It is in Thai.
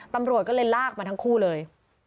ตำรวจก็เลยลากมาทั้งคู่เลย